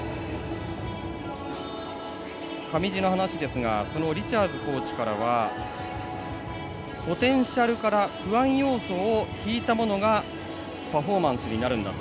上地の話ですがそのリチャーズコーチからはポテンシャルから不安要素を引いたものがパフォーマンスになるんだと。